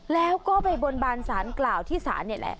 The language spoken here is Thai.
แล้วก็ไปบนบานสารกล่าวที่ศาลนี่แหละ